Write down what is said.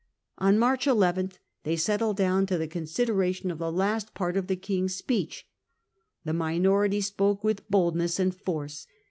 On March n they settled down to the consideration of the last part of the King's speech. The minority spoke with boldness and force.